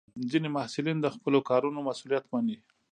ځینې محصلین د خپلو کارونو مسؤلیت مني.